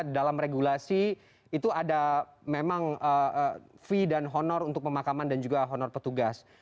dalam regulasi itu ada memang fee dan honor untuk pemakaman dan juga honor petugas